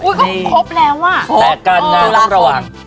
อุ๊ยก็ครบแล้วว่ะตุราคมโอ้ยครบแต่การนานต้องระวัง